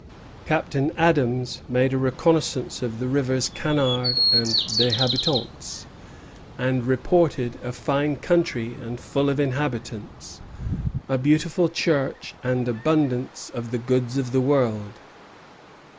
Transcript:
Captain Adams made a reconnoissance of the rivers Canard and Des Habitants, and reported "a fine country and full of inhabitants, a beautiful church, and abundance of the goods of the world."